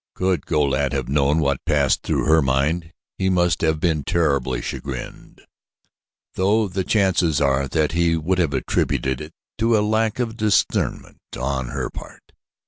Could Go lat have known what passed through her mind, he must have been terribly chagrined, though the chances are that he would have attributed it to a lack of discernment on her part.